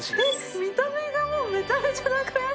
見た目がもうめちゃめちゃたこ焼き！